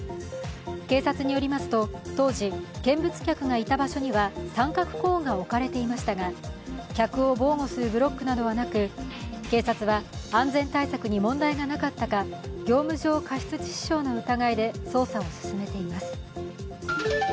警察によりますと、当時見物客がいた場所には三角コーンが置かれていましたが、客を防護するブロックなどはなく警察は安全対策に問題がなかったか業務上過失致死傷の疑いで捜査を進めています。